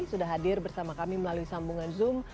sudah hadir bersama kami melalui sambungan zoom